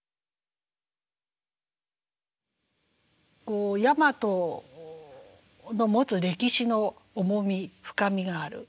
こう大和の持つ歴史の重み深みがある。